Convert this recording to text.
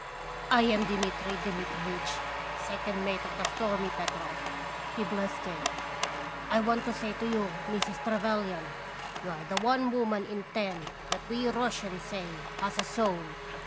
" I am Dmitri Dmitrivitch, second mate of the Stormy Petrel," he blustered. "I want to say to you, Mrs. Trevelyan, you are the one woman in ten that we Russians say has a soul